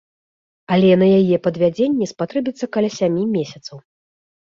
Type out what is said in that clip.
Але на яе падвядзенне спатрэбіцца каля сямі месяцаў.